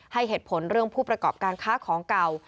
ให้เหตุผลเรื่องผู้ประกอบการค้าของเก่า